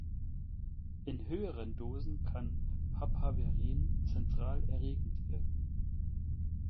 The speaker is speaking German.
In höheren Dosen kann Papaverin zentral erregend wirken.